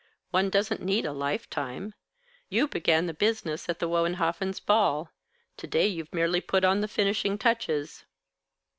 One doesn't need a lifetime. You began the business at the Wohenhoffens' ball. To day you've merely put on the finishing touches."